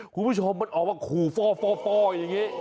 คุณผู้ชมมันออกมาขู่ฟ่ออย่างนี้